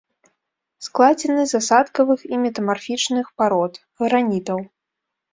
Складзены з асадкавых і метамарфічных парод, гранітаў.